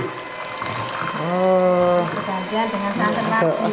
itu aja dengan santan lagi